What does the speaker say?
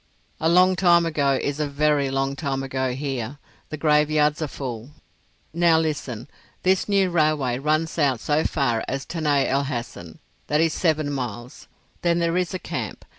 "A long time ago is a very long time ago here. The graveyards are full. Now listen. This new railway runs out so far as Tanai el Hassan—that is seven miles. Then there is a camp.